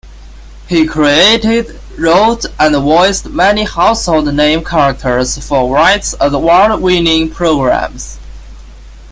He created, wrote and voiced many household name characters for Wright's award-winning programmes.